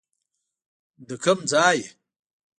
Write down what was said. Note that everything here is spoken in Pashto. د کوم ځای یې.